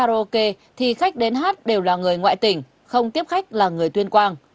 mỗi khách đến hát đều là người ngoại tỉnh không tiếp khách là người tuyên quang